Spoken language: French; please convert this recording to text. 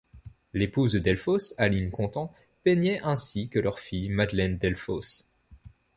L’épouse de Delfosse, Aline Contant, peignait ainsi que leur fille Madeleine Delfosse.